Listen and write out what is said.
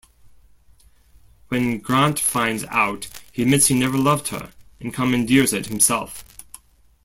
When Grant finds out, he admits he never loved her, and commandeers it himself.